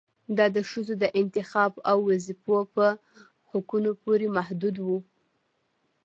دا د ښځو د انتخاب او وظيفو په حقونو پورې محدود و